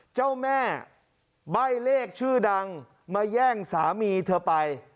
เจ้าแม่ใบ้เลขชื่อดังมาแย่งสามีเธอไป